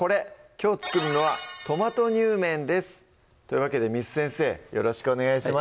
きょう作るのは「トマトにゅうめん」ですというわけで簾先生よろしくお願いします